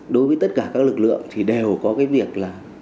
đối với tất cả các lực lượng thì đều có cái việc là